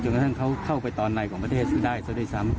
กระทั่งเขาเข้าไปตอนในของประเทศได้ซะด้วยซ้ำ